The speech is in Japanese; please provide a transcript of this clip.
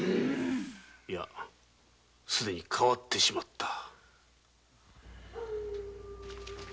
いや既に変わってしまった。